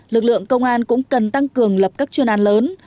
lực lượng công an cũng cần tăng cường lập các chuyên an lớn